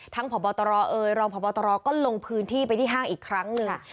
ทั้งผลตเอ่ยรผลตลองพืนที่ไปห้างอีกครั้งนึง